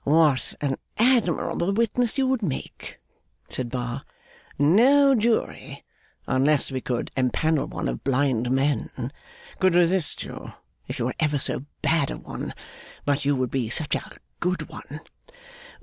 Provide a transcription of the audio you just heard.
'What an admirable witness you would make!' said Bar. 'No jury (unless we could empanel one of blind men) could resist you, if you were ever so bad a one; but you would be such a good one!